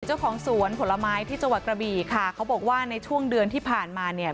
เจ้าของสวนผลไม้ที่จังหวัดกระบี่ค่ะเขาบอกว่าในช่วงเดือนที่ผ่านมาเนี่ย